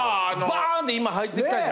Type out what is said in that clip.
ばーんって今入ってきたじゃん。